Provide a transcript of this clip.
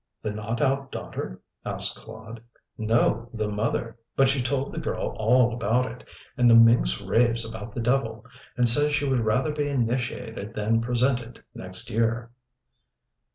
"The not out daughter?" asked Claude. "No, the mother; but she told the girl all about it, and the minx raves about the devil and says she would rather be initiated than presented next year."